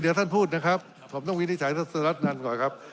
เดี๋ยวท่านพูดนะครับผมต้องวินิจฉัยท่านสุรัตนันก่อนครับ